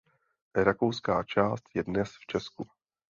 Rakouská část je dnes v Česku.